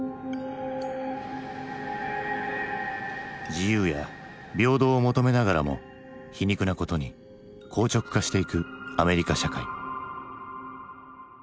自由や平等を求めながらも皮肉なことに硬直化していくアメリカ社会。